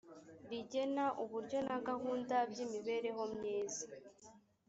rigena uburyo na gahunda by imibereho myiza